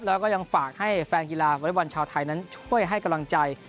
แล้วก็ยังฝากให้แฟนกีฬาวอเล็กบอลชาวไทยนั้นช่วยให้กำลังใจ